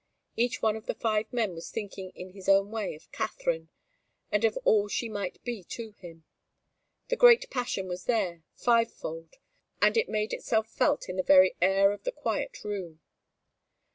Each one of the five men was thinking in his own way of Katharine, and of all she might be to him. The great passion was there, five fold, and it made itself felt in the very air of the quiet room.